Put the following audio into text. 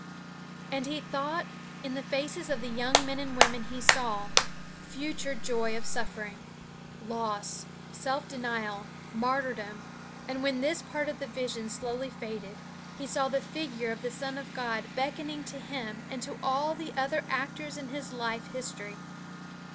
And he thought in the faces of the young men and women he saw future joy of suffering, loss, self denial, martyrdom. And when this part of the vision slowly faded, he saw the figure of the Son of God beckoning to him and to all the other actors in his life history.